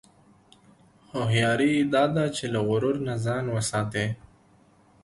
هوښیاري دا ده چې له غرور نه ځان وساتې.